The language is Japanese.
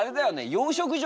養殖場。